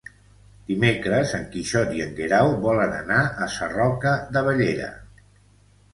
Dimecres en Quixot i en Guerau volen anar a Sarroca de Bellera.